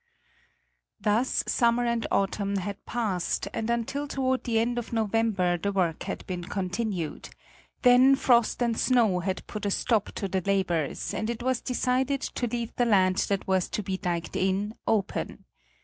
Thus summer and autumn had passed and until toward the end of November the work had been continued; then frost and snow had put a stop to the labors and it was decided to leave the land that was to be diked in, open.